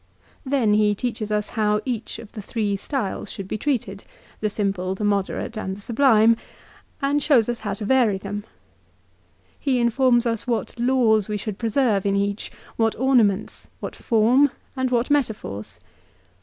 Then he teaches us how each of the three 1 D6 Divinatioue, lib. ii. 1. CICERO'S RHETORIC. 329 styles should be treated, the simple, the moderate, and the sublime, and shows us how to vary them. He informs us what laws we should preserve in each, what ornaments, what form, and what metaphors.